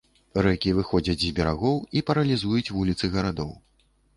Рэкі выходзяць з берагоў і паралізуюць вуліцы гарадоў.